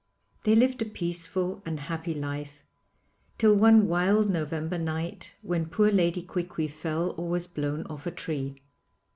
They lived a peaceful and happy life till one wild November night, when poor Lady Quiqui fell or was blown off a tree.